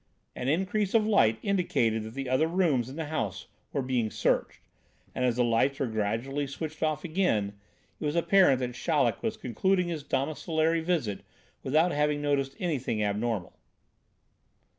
An increase of light indicated that the other rooms in the house were being searched, and as the lights were gradually switched off again, it was apparent that Chaleck was concluding his domiciliary visit without having noticed anything abnormal.